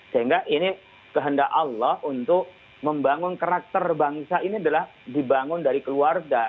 sehingga ini kehendak allah untuk membangun karakter bangsa ini adalah dibangun dari keluarga